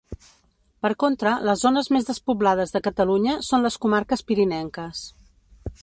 Per contra, les zones més despoblades de Catalunya són les comarques pirinenques.